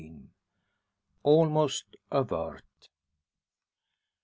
ALMOST A "VERT."